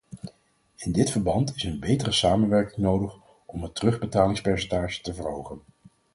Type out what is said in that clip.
In dit verband is een betere samenwerking nodig om het terugbetalingspercentage te verhogen.